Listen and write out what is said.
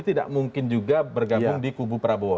tidak mungkin juga bergabung di kubu prabowo